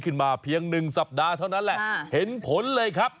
ขึ้นมาเพียงหนึ่งสัปดาห์เท่านั้นแหละเห็นผลเลยครับ